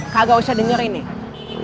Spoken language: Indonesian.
kagak usah dengerin nih